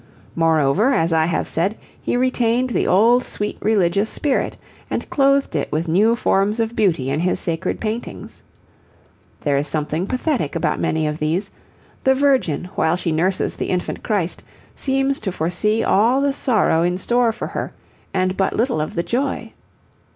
Moreover, as I have said, he retained the old sweet religious spirit, and clothed it with new forms of beauty in his sacred paintings. There is something pathetic about many of these the Virgin, while she nurses the Infant Christ, seems to foresee all the sorrow in store for her, and but little of the joy.